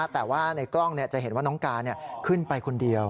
แต่ว่าในกล้องจะเห็นว่าน้องการขึ้นไปคนเดียว